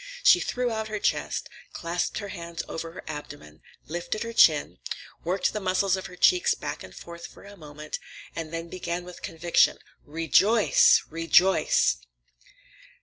She threw out her chest, clasped her hands over her abdomen, lifted her chin, worked the muscles of her cheeks back and forth for a moment, and then began with conviction, "Re jo oice! Re jo oice!"